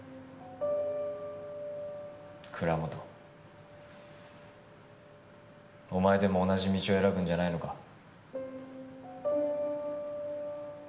蔵本お前でも同じ道を選ぶんじゃないのか？